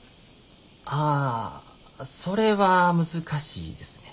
ああそれは難しいですね。